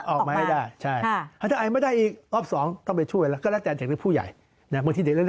ออกมาอะไรก็แล้วแต่ของเลวของแข็งก็แล้วแต่